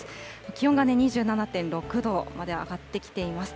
気温が２７．６度まで上がってきています。